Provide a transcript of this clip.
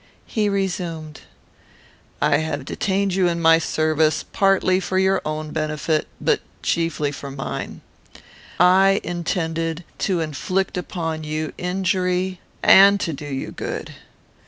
He resumed: "I have detained you in my service, partly for your own benefit, but chiefly for mine. I intended to inflict upon you injury and to do you good.